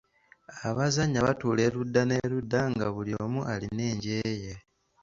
Abazannya batuula erudda n'erudda nga buli omu alina enje ye.